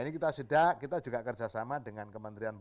nah itu penting